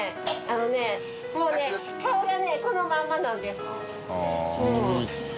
あのね發Δ顔がねこのまんまなんです。